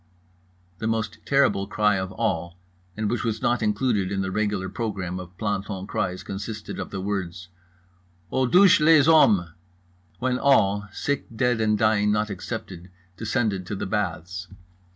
The most terrible cry of all, and which was not included in the regular program of planton cries, consisted of the words: "Aux douches les hommes"—when all, sick, dead and dying not excepted, descended to the baths.